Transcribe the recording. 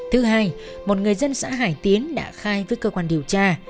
thứ hai một người dân xã hải tiến đã khai với cơ quan điều tra